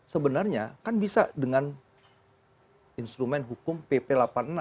sebenarnya kan bisa dengan instrumen hukum pp delapan puluh enam tahun dua ribu lima belas